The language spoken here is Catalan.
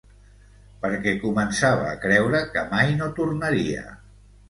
Perquè començava a creure que mai no tornaria.